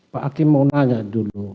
pak hakim mau nanya dulu